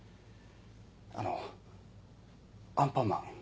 あの「アンパンマン」。